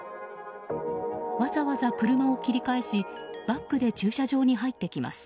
わざわざ車を切り返しバックで駐車場に入ってきます。